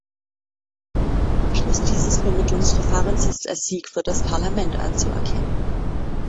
Der Abschluss dieses Vermittlungsverfahrens ist als Sieg für das Parlament anzuerkennen.